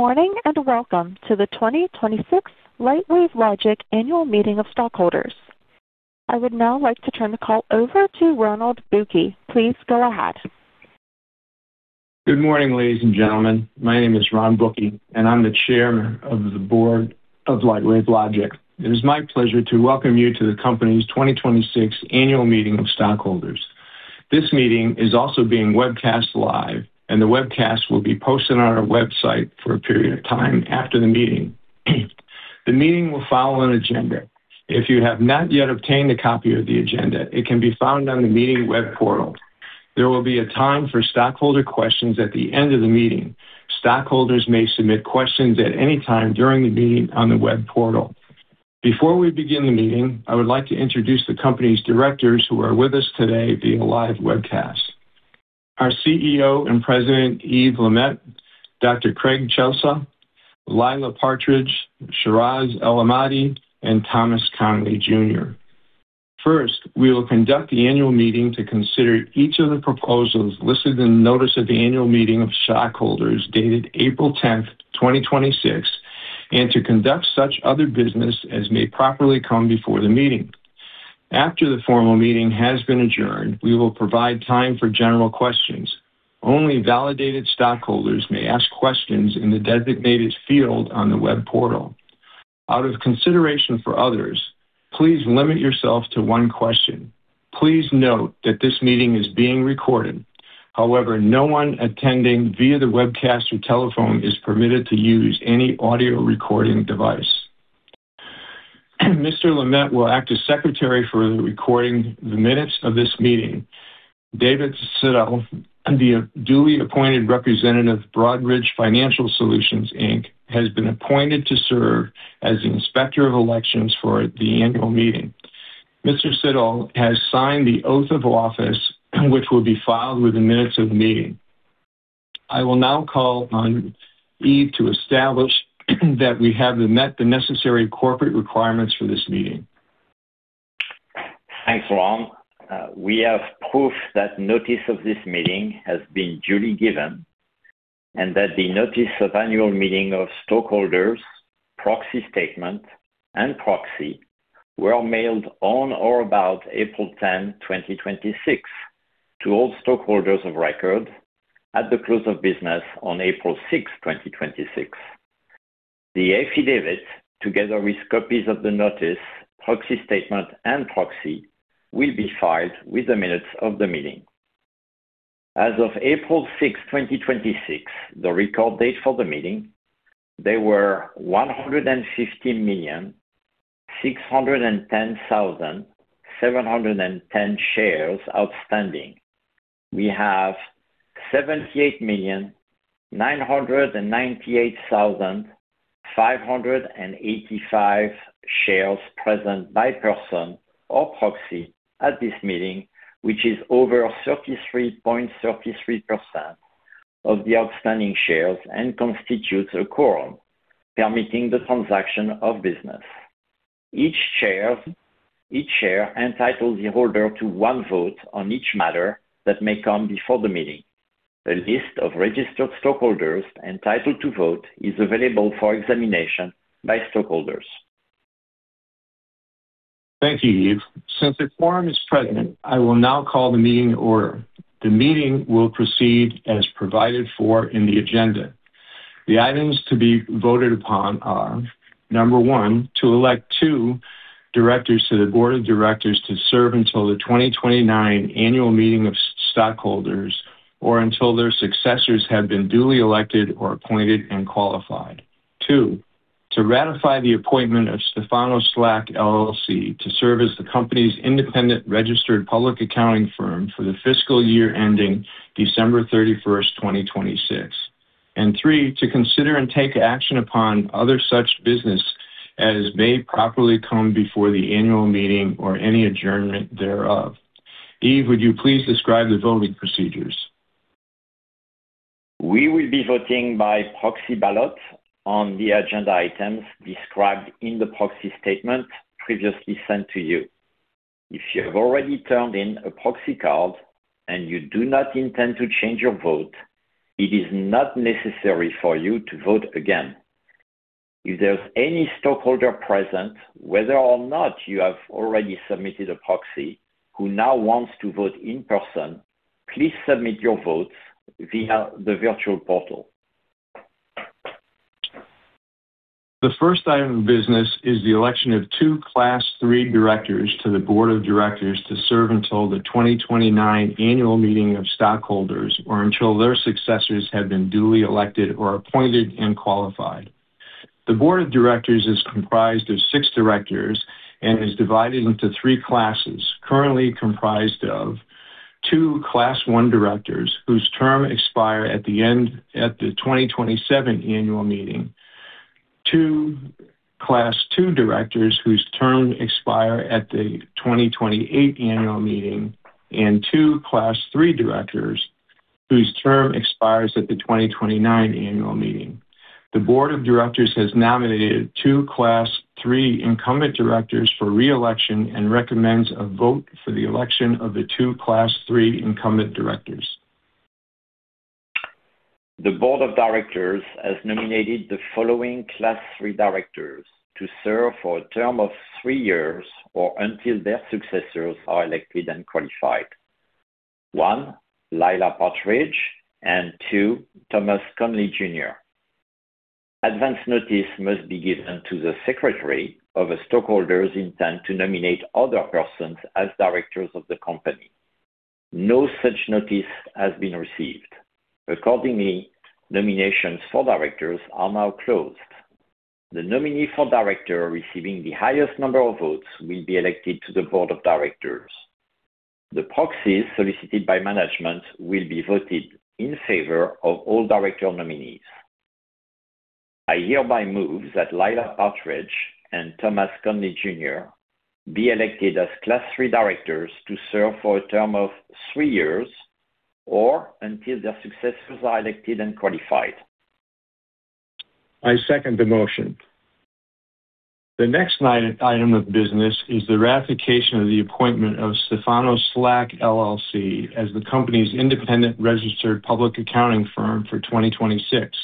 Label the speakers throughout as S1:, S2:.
S1: Good morning, and welcome to the 2026 Lightwave Logic Annual Meeting of Stockholders. I would now like to turn the call over to Ronald Bucchi. Please go ahead.
S2: Good morning, ladies and gentlemen. My name is Ron Bucchi, and I'm the Chairman of the Board of Lightwave Logic. It is my pleasure to welcome you to the company's 2026 Annual Meeting of Stockholders. This meeting is also being webcast live, and the webcast will be posted on our website for a period of time after the meeting. The meeting will follow an agenda. If you have not yet obtained a copy of the agenda, it can be found on the meeting web portal. There will be a time for stockholder questions at the end of the meeting. Stockholders may submit questions at any time during the meeting on the web portal. Before we begin the meeting, I would like to introduce the company's directors who are with us today via live webcast. Our CEO and President, Yves LeMaitre, Dr. Craig Ciesla, Laila Partridge, Siraj Nour El-Ahmadi, and Thomas Connelly Jr. First, we will conduct the Annual Meeting to consider each of the proposals listed in the notice of the Annual Meeting of Stockholders, dated April 10th, 2026, and to conduct such other business as may properly come before the meeting. After the formal meeting has been adjourned, we will provide time for general questions. Only validated stockholders may ask questions in the designated field on the web portal. Out of consideration for others, please limit yourself to one question. Please note that this meeting is being recorded. However, no one attending via the webcast or telephone is permitted to use any audio recording device. Mr. LeMaitre will act as Secretary for the recording the minutes of this meeting. David Siddall, the duly appointed representative of Broadridge Financial Solutions, Inc, has been appointed to serve as Inspector of Elections for the annual meeting. Mr. Siddall has signed the Oath of Office, which will be filed with the minutes of the meeting. I will now call on Yves to establish that we have met the necessary corporate requirements for this meeting.
S3: Thanks, Ron. We have proof that notice of this meeting has been duly given and that the Notice of Annual Meeting of Stockholders, proxy statement, and proxy were mailed on or about April 10th, 2026, to all stockholders of record at the close of business on April 6, 2026. The affidavit, together with copies of the notice, proxy statement, and proxy, will be filed with the minutes of the meeting. As of April 6th, 2026, the record date for the meeting, there were 115,610,710 shares outstanding. We have 78,998,585 shares present by person or proxy at this meeting, which is over 33.33% of the outstanding shares and constitutes a quorum, permitting the transaction of business. Each share entitles the holder to one vote on each matter that may come before the meeting. The list of registered stockholders entitled to vote is available for examination by stockholders.
S2: Thank you, Yves. Since a quorum is present, I will now call the meeting to order. The meeting will proceed as provided for in the agenda. The items to be voted upon are, number one, to elect two directors to the board of directors to serve until the 2029 Annual Meeting of Stockholders or until their successors have been duly elected or appointed and qualified. Two, to ratify the appointment of Stephano Slack LLC to serve as the company's independent registered public accounting firm for the fiscal year ending December 31st, 2026. Three, to consider and take action upon other such business as may properly come before the annual meeting or any adjournment thereof. Yves, would you please describe the voting procedures?
S3: We will be voting by proxy ballot on the agenda items described in the proxy statement previously sent to you. If you have already turned in a proxy card and you do not intend to change your vote, it is not necessary for you to vote again. If there is any stockholder present, whether or not you have already submitted a proxy, who now wants to vote in person, please submit your votes via the virtual portal.
S2: The first item of business is the election of two Class 3 directors to the Board of Directors to serve until the 2029 Annual Meeting of Stockholders or until their successors have been duly elected or appointed and qualified. The Board of Directors is comprised of six directors and is divided into three classes, currently comprised of two Class I directors, whose term expire at the 2027 Annual Meeting, two Class 2 directors, whose term expire at the 2028 Annual Meeting, and two Class 3 directors, whose term expires at the 2029 Annual Meeting. The Board of Directors has nominated two Class 3 incumbent directors for re-election and recommends a vote for the election of the two Class 3 incumbent directors.
S3: The board of directors has nominated the following Class 3 directors to serve for a term of three years or until their successors are elected and qualified. One, Laila Partridge, and two, Thomas Connelly Jr. Advance notice must be given to the secretary of a stockholder's intent to nominate other persons as directors of the company. No such notice has been received. Accordingly, nominations for directors are now closed. The nominee for director receiving the highest number of votes will be elected to the board of directors. The proxies solicited by management will be voted in favor of all director nominees. I hereby move that Laila Partridge and Thomas Connelly Jr. be elected as Class 3 directors to serve for a term of three years or until their successors are elected and qualified.
S2: I second the motion. The next item of business is the ratification of the appointment of Stephano Slack LLC as the company's independent registered public accounting firm for 2026.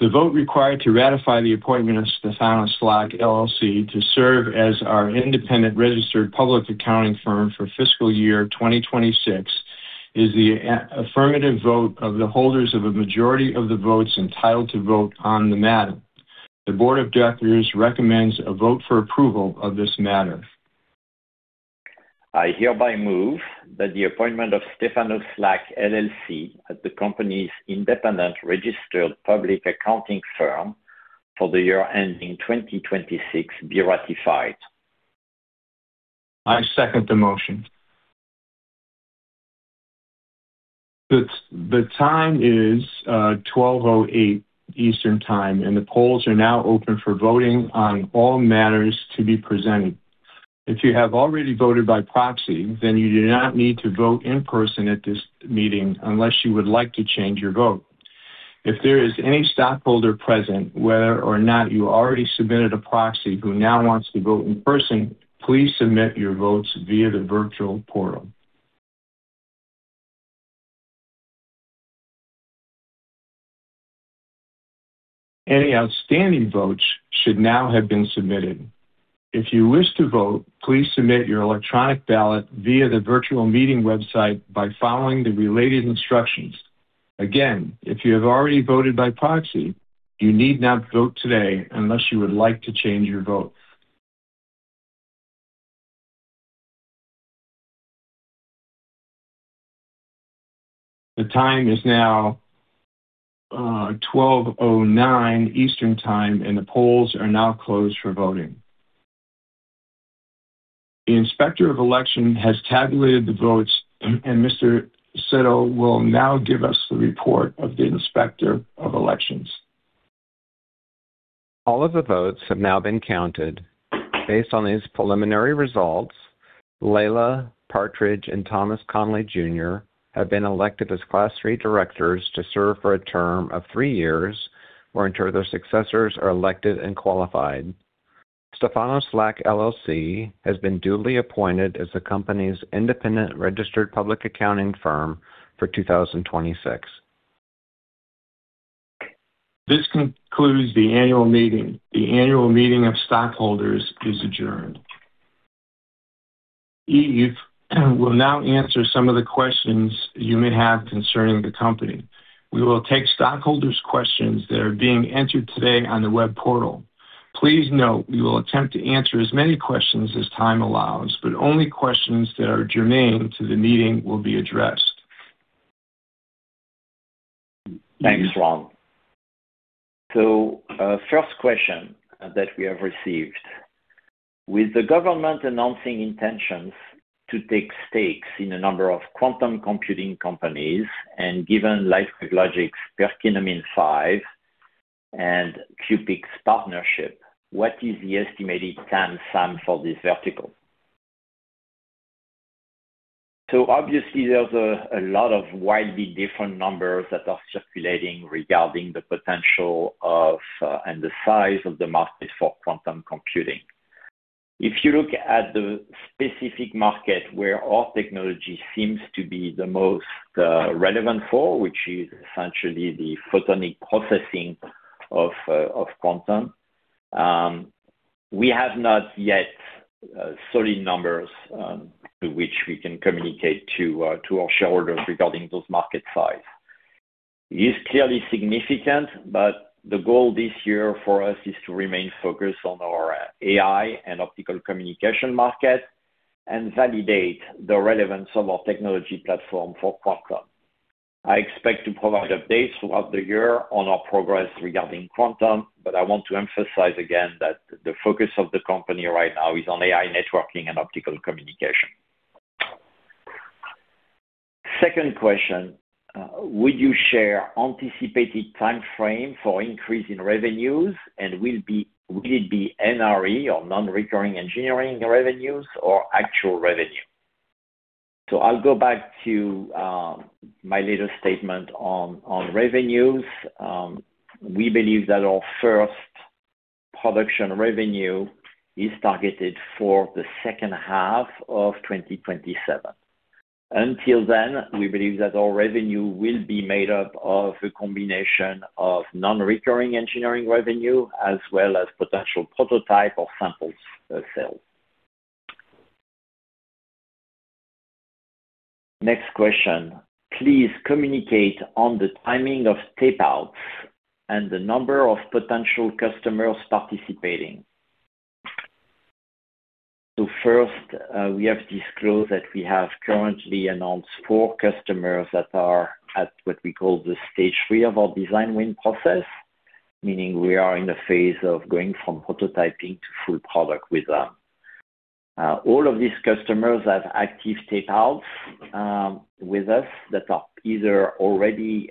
S2: The vote required to ratify the appointment of Stephano Slack LLC to serve as our independent registered public accounting firm for fiscal year 2026 is the affirmative vote of the holders of a majority of the votes entitled to vote on the matter. The board of directors recommends a vote for approval of this matter.
S3: I hereby move that the appointment of Stephano Slack LLC as the company's independent registered public accounting firm for the year ending 2026 be ratified.
S2: I second the motion. The time is 12:08 Eastern Time, and the polls are now open for voting on all matters to be presented. If you have already voted by proxy, then you do not need to vote in person at this meeting unless you would like to change your vote. If there is any stockholder present, whether or not you already submitted a proxy, who now wants to vote in person, please submit your votes via the virtual portal. Any outstanding votes should now have been submitted. If you wish to vote, please submit your electronic ballot via the virtual meeting website by following the related instructions. Again, if you have already voted by proxy, you need not vote today unless you would like to change your vote. The time is now 12:09 Eastern Time, and the polls are now closed for voting. The Inspector of Election has tabulated the votes, and Mr. Siddall will now give us the report of the Inspector of Elections.
S4: All of the votes have now been counted. Based on these preliminary results, Laila Partridge and Thomas Connelly Jr. have been elected as Class 3 directors to serve for a term of three years or until their successors are elected and qualified. Stephano Slack LLC has been duly appointed as the company's independent registered public accounting firm for 2026.
S2: This concludes the annual meeting. The Annual Meeting of Stockholders is adjourned. Yves will now answer some of the questions you may have concerning the company. We will take stockholders' questions that are being entered today on the web portal. Please note we will attempt to answer as many questions as time allows, but only questions that are germane to the meeting will be addressed. Yves?
S3: Thanks, Ron. First question that we have received. With the government announcing intentions to take stakes in a number of quantum computing companies and given Lightwave Logic's Perkinamine 5 and QPICs's partnership, what is the estimated TAM sum for this vertical? Obviously there's a lot of wildly different numbers that are circulating regarding the potential of and the size of the market for quantum computing. If you look at the specific market where our technology seems to be the most relevant for, which is essentially the photonic processing of quantum, we have not yet solid numbers to which we can communicate to our shareholders regarding those market size. It is clearly significant, but the goal this year for us is to remain focused on our AI and optical communication market and validate the relevance of our technology platform for quantum. I expect to provide updates throughout the year on our progress regarding quantum, but I want to emphasize again that the focus of the company right now is on AI networking and optical communication. Second question, would you share anticipated timeframe for increase in revenues, and will it be NRE or non-recurring engineering revenues or actual revenue? I'll go back to my little statement on revenues. We believe that our first production revenue is targeted for the second half of 2027. Until then, we believe that our revenue will be made up of a combination of non-recurring engineering revenue, as well as potential prototype or sample sales. Next question. Please communicate on the timing of tape-outs and the number of potential customers participating. First, we have disclosed that we have currently announced four customers that are at what we call the stage three of our design win process, meaning we are in the phase of going from prototyping to full product with them. All of these customers have active tape-outs with us that are either already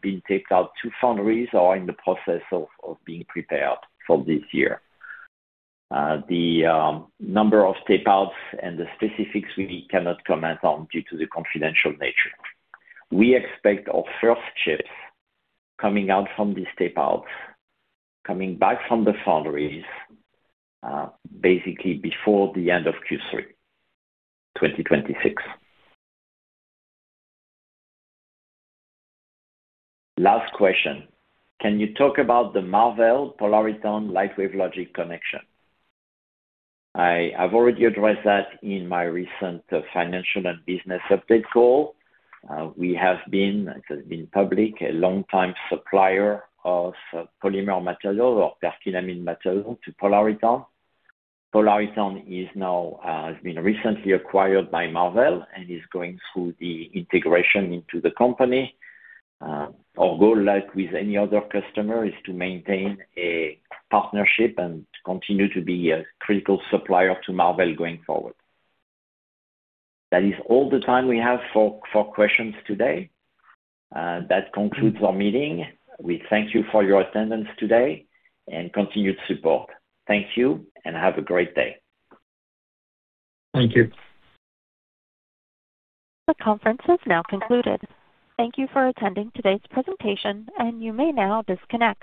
S3: being taped out to foundries or are in the process of being prepared for this year. The number of tape-outs and the specifics we cannot comment on due to the confidential nature. We expect our first chips coming out from these tape-outs, coming back from the foundries, basically before the end of Q3 2026. Last question. Can you talk about the Marvell Polariton Lightwave Logic connection? I have already addressed that in my recent financial and business update call. We have been, it has been public, a long-time supplier of polymer material or perfluorinated material to Polariton. Polariton has been recently acquired by Marvell and is going through the integration into the company. Our goal, like with any other customer, is to maintain a partnership and continue to be a critical supplier to Marvell going forward. That is all the time we have for questions today. That concludes our meeting. We thank you for your attendance today and continued support. Thank you and have a great day.
S2: Thank you.
S1: The conference has now concluded. Thank you for attending today's presentation, and you may now disconnect.